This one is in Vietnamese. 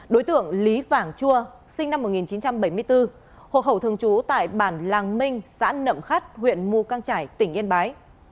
đối tượng lý vảng chua sinh năm một nghìn chín trăm bảy mươi bốn hộ khẩu thường trú tại bản làng minh xã nậm khắt huyện mù căng trải tỉnh yên bái